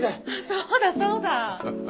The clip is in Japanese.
そうだそうだ。